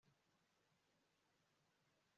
ndakurira imbere yimana